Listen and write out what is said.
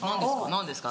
何ですか？